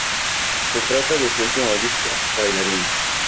Se trata de su último disco: "Bailarina".